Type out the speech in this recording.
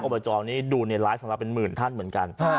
อันนี้ดูในไลฟ์สำหรับเป็นหมื่นท่านเหมือนกัน